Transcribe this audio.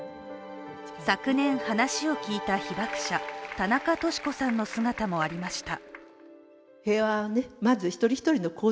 昨年、話を聞いた被爆者、田中稔子さんの姿もありました。